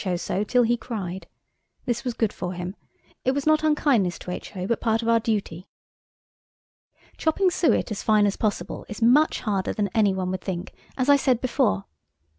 O. so till he cried. This was good for him. It was not unkindness to H.O., but part of our duty. Chopping suet as fine as possible is much harder than any one would think, as I said before.